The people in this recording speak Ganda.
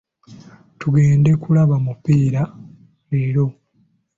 Tugenda kulaba omupiira leero.